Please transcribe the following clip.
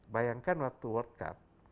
bayangkan waktu world cup